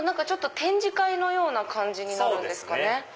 展示会のような感じになるんですかね。